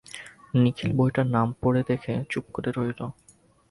নিখিল বইটার নাম পড়ে দেখে চুপ করে রইল।